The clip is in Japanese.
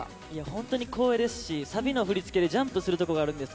本当に光栄ですしサビの振り付けでジャンプするところがあるんです。